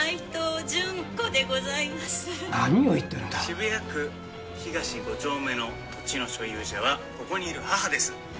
渋谷区東５丁目の土地の所有者はここにいる母です。